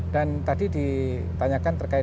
dan tadi ditanyakan terkait